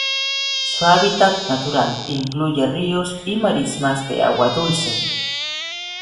Su hábitat natural incluye ríos y marismas de agua dulce.